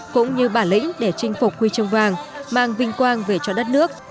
cũng như bản lĩnh để chinh phục huy chương vàng mang vinh quang về cho đất nước